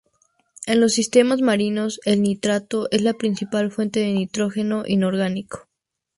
En los sistemas marinos, el nitrato es la principal fuente de nitrógeno inorgánico.